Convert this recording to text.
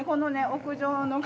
屋上の。